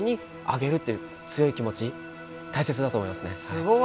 すごい！